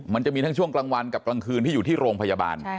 มันจะมีทั้งช่วงกลางวันกับกลางคืนที่อยู่ที่โรงพยาบาล